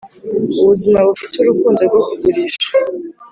ubuzima bufite urukundo rwo kugurisha,